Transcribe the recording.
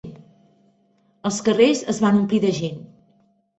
...els carrers es van omplir de gent.